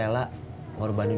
lu bisa bawa emak rumah sakit